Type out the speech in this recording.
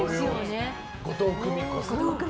後藤久美子さん。